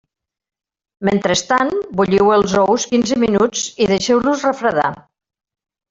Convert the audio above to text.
Mentrestant bulliu els ous quinze minuts i deixeu-los refredar.